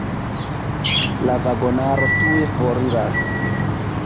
La vagonaro tuj foriras.